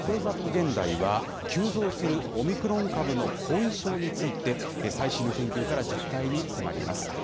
現代は、急増するオミクロン株の後遺症について、最新の研究から実態に迫ります。